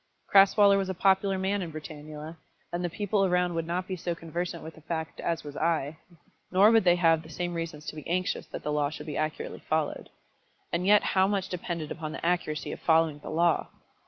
Crasweller was a popular man in Britannula, and the people around would not be so conversant with the fact as was I, nor would they have the same reasons to be anxious that the law should be accurately followed. And yet how much depended upon the accuracy of following the law!